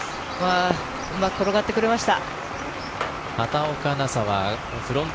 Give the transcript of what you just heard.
うまく転がってくれました。